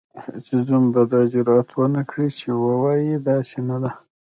هیڅ زوم به دا جرئت ونکړي چې ووايي داسې نه ده.